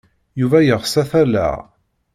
Yuba yeɣs ad t-alleɣ.